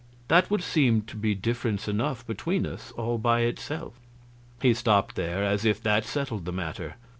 That would seem to be difference enough between us, all by itself." He stopped there, as if that settled the matter.